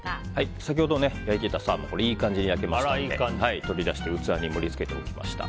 先ほど焼いていたサーモンいい感じに焼けましたので取り出して器に盛り付けておきました。